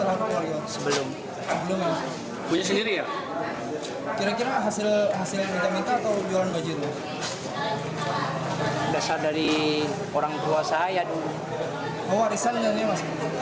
orang tua saya dulu